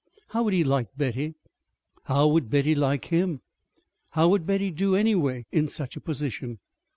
How would he like Betty? How would Betty like him? How would Betty do, anyway, in such a position?